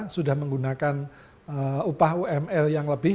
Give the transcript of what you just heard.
sudah menggunakan upah umr yang lebih